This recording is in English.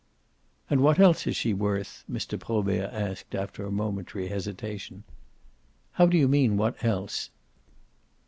"And what else is she worth?" Mr. Probert asked after a momentary hesitation. "How do you mean, what else?"